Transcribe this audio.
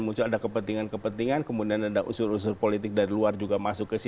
muncul ada kepentingan kepentingan kemudian ada unsur unsur politik dari luar juga masuk ke situ